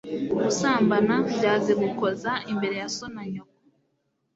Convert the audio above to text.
gusambana, byazigukoza imbere ya so na nyoko